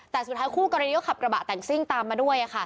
แต่สุดท้ายคู่กรณีก็ขับกระบะแต่งซิ่งตามมาด้วย